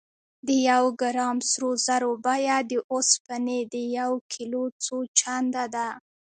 د یو ګرام سرو زرو بیه د اوسپنې د یو کیلو څو چنده ده.